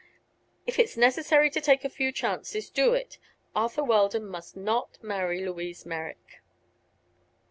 "If it is necessary to take a few chances, do it. Arthur Weldon must not marry Louise Merrick!"